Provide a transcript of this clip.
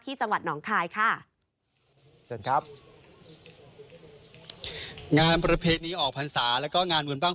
จังหวัดหนองคายค่ะเชิญครับงานประเพณีออกพรรษาแล้วก็งานบุญบ้าง